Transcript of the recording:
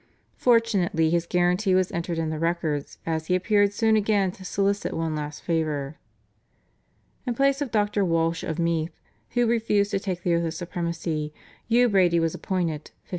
Fortunately his guarantee was entered in the records, as he appeared soon again to solicit one last favour. In place of Dr. Walsh of Meath, who refused to take the oath of supremacy, Hugh Brady was appointed (1563).